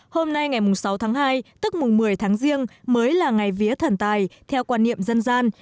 hôm nay ngày sáu tháng hai tức mùng một mươi tháng riêng mới là ngày vía thần tài theo quan niệm dân gian